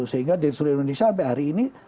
sehingga dari seluruh indonesia sampai hari ini